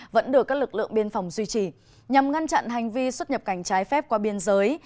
vẫn được các lực lượng biên phòng duy trì nhằm ngăn chặn hành vi xuất nhập cảnh trái phép qua biên giới